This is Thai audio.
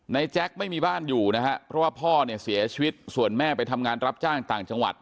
แจ๊กไม่มีบ้านอยู่นะฮะเพราะว่าพ่อเนี่ยเสียชีวิตส่วนแม่ไปทำงานรับจ้างต่างจังหวัด